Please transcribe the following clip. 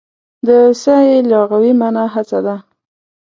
د سعې لغوي مانا هڅه ده.